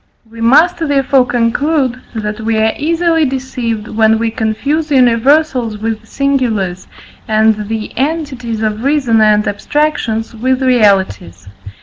We must therefore conclude, that we are easily deceived, when we confuse universals with singulars, and the entities of reason and abstractions with realities.